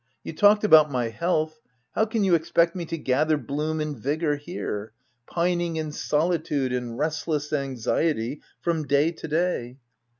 You talked about my health — how can you expect me to gather bloom and vigour here ; pining in solitude and restless anxiety from day to day